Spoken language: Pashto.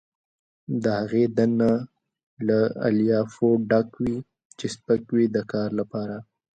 د هغې دننه له الیافو ډک وي چې سپک وي د کار لپاره.